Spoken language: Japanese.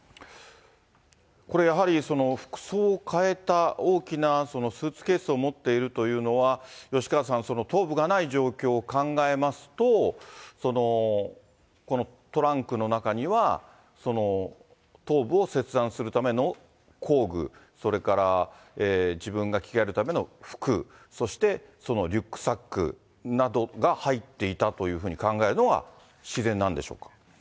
これ、やはりその服装を変えた大きなスーツケースを持っているというのは、吉川さん、頭部がない状況を考えますと、このトランクの中には、頭部を切断するための工具、それから自分が着替えるための服、そしてそのリュックサックなどが入っていたというふうに考えるの